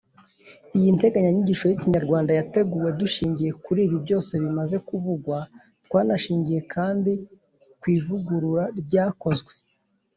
Iyi nteganyanyigisho y’ikinyarwanda yateguwe dushingiye kuri ibi byose bimaze kuvugwa. Twanashingiye kandi ku ivugurura ryakozwe